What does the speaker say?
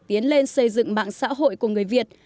tiến lên xây dựng mạng xã hội của người việt